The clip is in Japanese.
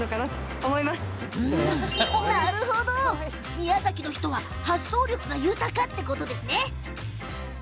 宮崎の人は発想力が豊かってことですね。